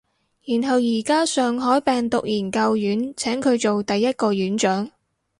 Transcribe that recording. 然後而家上海病毒研究院請佢做第一個院長